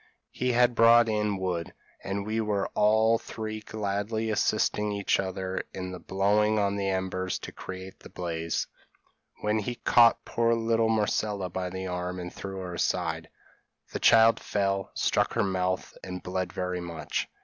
He had brought in wood, and we were all three gladly assisting each other in blowing on the embers to create the blaze, when he caught poor little Marcella by the arm and threw her aside; the child fell, struck her mouth, and bled very much.